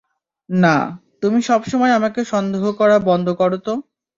না, তুমি সব-সময় আমাকে সন্দেহ করা বন্ধ করো তো।